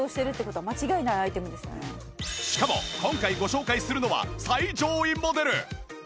しかも今回ご紹介するのは最上位モデル！